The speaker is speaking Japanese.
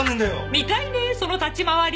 見たいねその立ち回り。